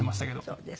そうですか。